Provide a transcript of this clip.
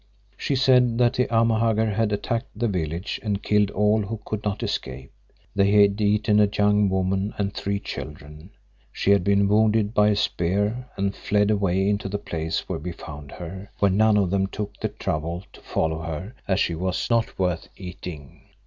She said that the Amahagger had attacked the village and killed all who could not escape. They had eaten a young woman and three children. She had been wounded by a spear and fled away into the place where we found her, where none of them took the trouble to follow her as she "was not worth eating."